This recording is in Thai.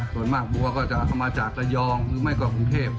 ส่วนมากบัวก็จะเอามาจากระยองหรือไม่ก็กรุงเทพ